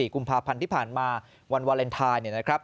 กุมภาพันธ์ที่ผ่านมาวันวาเลนไทน์